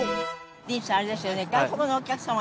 ディーンさんあれですよね。